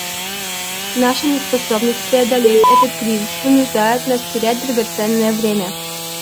Наша неспособность преодолеть этот кризис вынуждает нас терять драгоценное время.